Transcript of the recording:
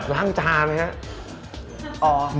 ล้างจานนะฮะ